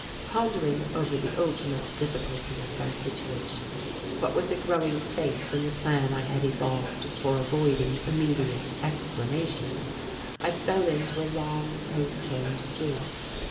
Pondering over the ultimate difficulty of my situation, but with a growing faith in the plan I had evolved for avoiding immediate explanations, I fell into a long postponed sleep.